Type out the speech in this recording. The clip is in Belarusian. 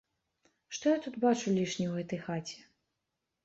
Што я тут бачу лішне ў гэтай хаце?